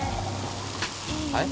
はい？